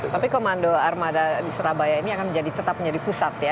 tapi komando armada di surabaya ini akan tetap menjadi pusat ya